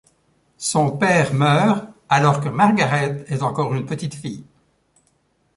Son père meurt alors que Margaret est encore une petite fille.